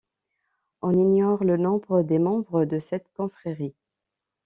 On ignore le nombre des membres de cette confrérie.